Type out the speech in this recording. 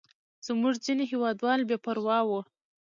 زموږ ځینې هېوادوال بې پروا وو.